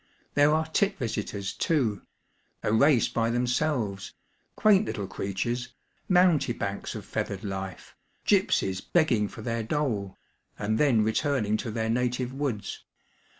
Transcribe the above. There are tit visitors, too ŌĆö a race by themselves, quaint little creatures, mounte banks of feathered h'fe, gipsies begging for their dole, imd then returning to their native woods.